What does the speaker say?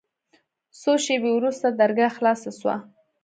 څو شېبې وروسته درګاه خلاصه سوه.